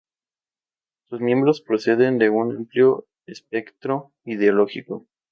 Sus miembros proceden de un amplio espectro ideológico.